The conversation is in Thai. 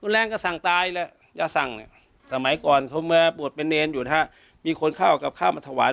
รุนแรงก็สั่งตายแล้วยาสั่งเนี้ยสมัยก่อนเขามาปวดเป็นเน้นอยู่ถ้ามีคนเข้ากับข้าวมัธวาน